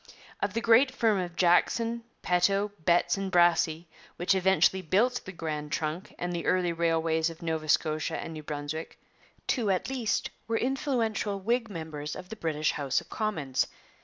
Of the great firm of Jackson, Peto, Betts, and Brassey, which eventually built the Grand Trunk and the early railways of Nova Scotia and New Brunswick, two at least were influential Whig members of the British House of Commons.